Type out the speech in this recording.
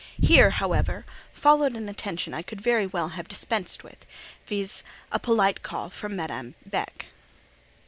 Hereupon, however, followed an attention I could very well have dispensed with, viz—a polite call from Madame Beck.